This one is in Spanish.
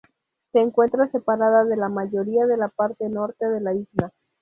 Se encuentra separada de la mayoría de la parte norte de la isla.